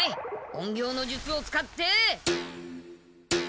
隠形の術を使って。